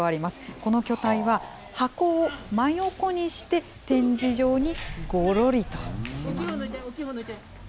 この巨体は箱を真横にして展示場にごろりとします。